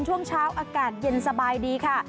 ช่วงเช้าอากาศเย็นสบายดีค่ะ